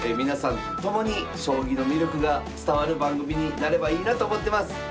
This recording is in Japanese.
皆さんとともに将棋の魅力が伝わる番組になればいいなと思ってます。